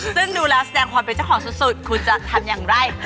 ซึ่งดูแล้วแสดงความเป็นเจ้าของสุดคุณจะทำอย่างไร